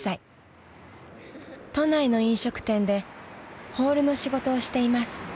［都内の飲食店でホールの仕事をしています］